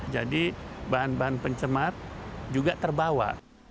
jadi bahan bahan pencemar juga terbawa